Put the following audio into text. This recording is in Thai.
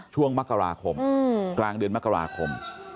ช่วงมกราคมกลางเดือนมกราคม